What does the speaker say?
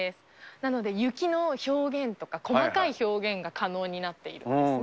なので、雪の表現とか細かい表現が可能になっている。